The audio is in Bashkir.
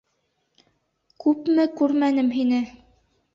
Күпме күрмәнем һине!